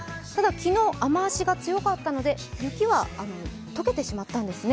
昨日、雨足が強かったので雪は溶けてしまったんですね。